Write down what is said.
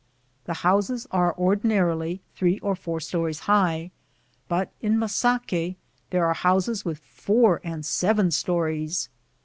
1 The houses are ordinarily three or four stories high, but in Macaque there are houses with four and seven stories.